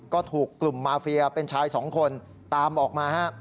ก็ถูกกลุ่มมาเฟียเป็นชายสองคนตามออกมาฮะ